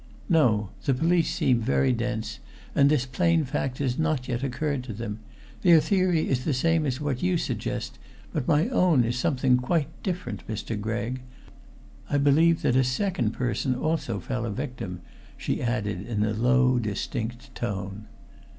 "No. The police seem very dense, and this plain fact has not yet occurred to them. Their theory is the same as what you suggest, but my own is something quite different, Mr. Gregg. I believe that a second person also fell a victim," she added in a low, distinct tone.